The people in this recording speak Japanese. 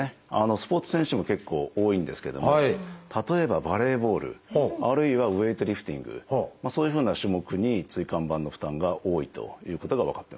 スポーツ選手も結構多いんですけども例えばバレーボールあるいはウエイトリフティングそういうふうな種目に椎間板の負担が多いということが分かってますね。